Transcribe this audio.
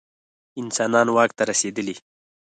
انسانان واک ته رسېدلي.